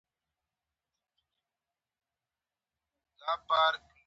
ما ورته وویل: هوډ مي وکړ چي بیا به د جګړې نوم نه اخلم.